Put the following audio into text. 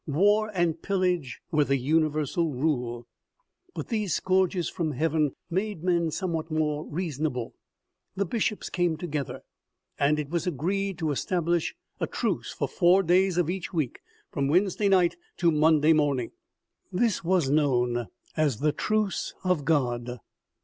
War and pillage were the universal rule, but these OMEGA . 143 scourges from heaven made men somewhat more reason able. The bishops came together, and it was agreed to establish a truce for four days of each week, from Wednes day night to Monday morning. This was known as the truce of God.